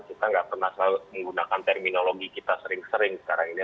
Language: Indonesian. kita nggak pernah selalu menggunakan terminologi kita sering sering sekarang ini